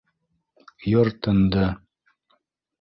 Йыр тынды.